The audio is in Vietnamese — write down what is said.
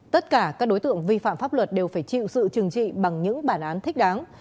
tất cả các đối tượng vi phạm pháp luật đều phải chịu sự trừng trị bằng những bản án thích đáng